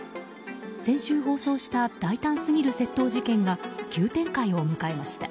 先週放送した大胆すぎる窃盗事件が急展開を迎えました。